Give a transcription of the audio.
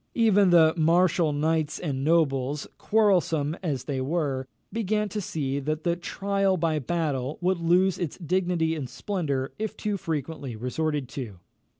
Even the martial knights and nobles, quarrelsome as they were, began to see that the trial by battle would lose its dignity and splendour if too frequently resorted to.